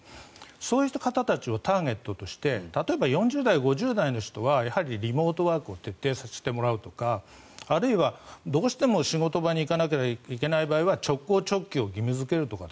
そういう方たちをターゲットとして例えば、４０代５０代の人はやはりリモートワークを徹底させてもらうとかあるいは、どうしても仕事場に行かないといけない場合は直行直帰を義務付けるとか。